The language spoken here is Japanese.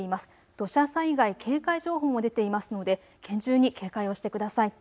土砂災害警戒情報も出ていますので厳重に警戒をしてください。